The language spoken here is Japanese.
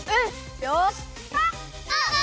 よし。